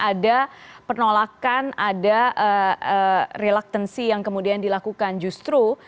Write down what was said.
ada penolakan ada reluctancy yang kemudian dilakukan justru